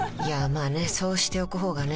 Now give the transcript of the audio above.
まあねそうしておく方がね